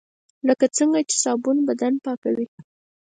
لکه څنګه چې صابون بدن پاکوي .